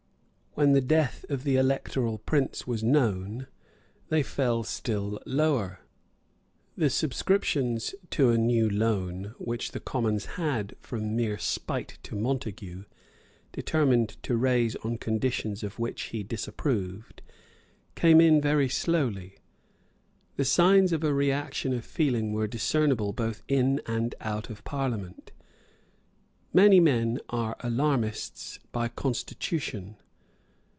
When the death of the Electoral Prince was known, they fell still lower. The subscriptions to a new loan, which the Commons had, from mere spite to Montague, determined to raise on conditions of which he disapproved, came in very slowly. The signs of a reaction of feeling were discernible both in and out of Parliament. Many men are alarmists by constitution.